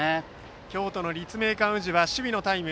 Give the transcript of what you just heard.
京都・立命館宇治は守備のタイム。